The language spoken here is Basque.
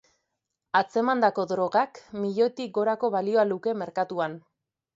Atzemandako drogak milioitik gorako balioa luke merkatuan.